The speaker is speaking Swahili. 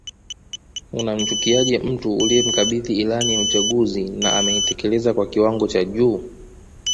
Unamchukiaje mtu uliyemkabidhi ilani ya uchaguzi na ameitekeleza kwa kiwango cha juu